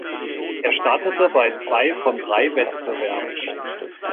Er startete bei zwei von drei Wettbewerben.